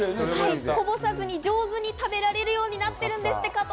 こぼさずにじょうずに食べられるようになっているんですって。